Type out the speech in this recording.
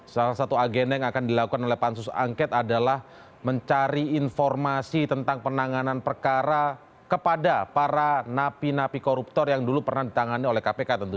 salah satu agenda yang akan dilakukan oleh pansus angket adalah mencari informasi tentang penanganan perkara kepada para napi napi koruptor yang dulu pernah ditangani oleh kpk tentu